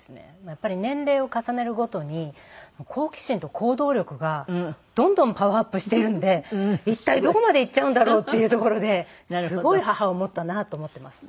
やっぱり年齢を重ねる事に好奇心と行動力がどんどんパワーアップしているんで一体どこまでいっちゃうんだろうっていうところですごい母を持ったなと思っています。